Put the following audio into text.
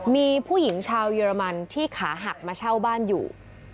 มีผู้หญิงชาวเยอรมันที่ขาหักมาเช่าบ้านอยู่